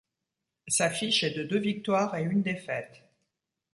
Sa fiche est de deux victoires et une défaite.